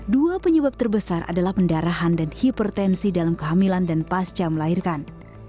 dua penyebab terbesar adalah pendarahan dan hipertensi dalam kehamilan dan pasca melahirkan